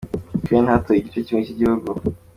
Ukraine: Hatoye igice kimwe cy’ igihugu .